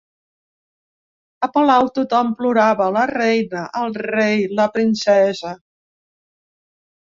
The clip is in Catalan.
A palau tothom plorava: la reina, el rei, la princesa.